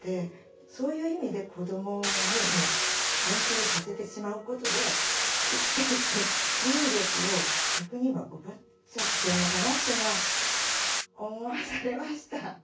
そういう意味で子どもに今勉強をさせてしまうことで生きていく能力を逆に今奪っちゃってんのかなって今思わされました。